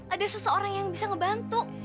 ada seseorang yang bisa ngebantu